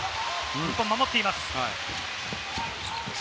日本も守っています。